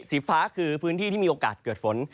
สีฟ้าคือพื้นที่ที่มีโอกาสเกิดฝน